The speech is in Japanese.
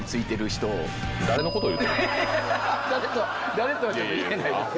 誰とは言えないですけど。